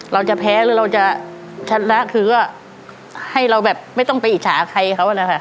เราจะแพ้หรือเราจะชนะคือก็ให้เราแบบไม่ต้องไปอิจฉาใครเขานะคะ